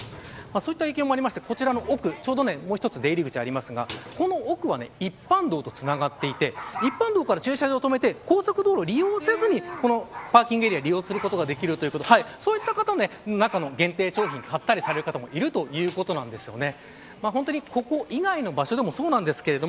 そういった影響もあってこちらの奥ちょうど、もう一つ出入り口がありますがこの奥は一般道とつながっていて一般道から駐車場に止めて高速道路を利用せずにこのパーキングエリアを利用することができるのでそう言った方も中の限定商品を買ったりする方もいらっしゃるということなんですね。